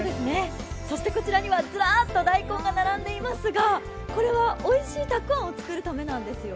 そしてこちらにはずらっと大根が並んでいますがこれはおいしいたくあんを作るためなんですよね。